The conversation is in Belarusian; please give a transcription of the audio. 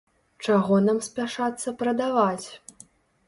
Чаго нам спяшацца прадаваць?